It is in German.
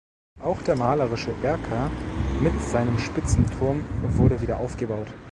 Auch der malerische Erker mit seinem spitzen Turm wurde wieder aufgebaut.